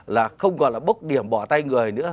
là không còn là bốc điểm bỏ tay người nữa